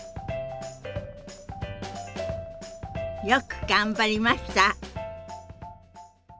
よく頑張りました！